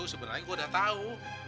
sebenarnya gua udah tahu